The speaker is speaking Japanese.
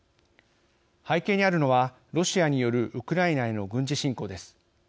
背景にあるのはロシアによるウクライナへの軍事侵攻です。